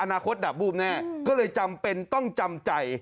อนาคตดับวูบแน่ก็เลยจำเป็นต้องจำใจ